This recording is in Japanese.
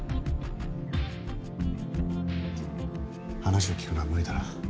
話を聞くのは無理だな。